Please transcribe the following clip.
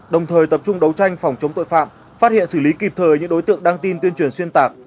đồng thời tập trung đấu tranh phòng chống tội phạm phát hiện xử lý kịp thời những đối tượng đăng tin tuyên truyền xuyên tạc